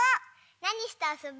なにしてあそぶ？